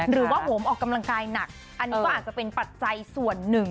หรือว่าโหมออกกำลังกายหนักอันนี้ก็อาจจะเป็นปัจจัยส่วนหนึ่ง